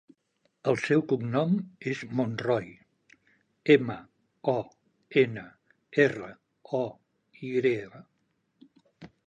El seu cognom és Monroy: ema, o, ena, erra, o, i grega.